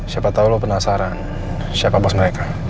siapa tahu lo penasaran siapa bos mereka